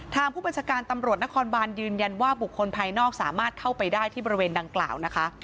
ทางผู้บัญชาการตำรวจนครบานยืนยันว่าบุคคลภายนอกสามารถเข้าไปได้ที่บริเวณดังกล่าวนะคะ